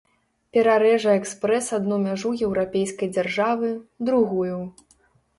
Перарэжа экспрэс адну мяжу еўрапейскай дзяржавы, другую.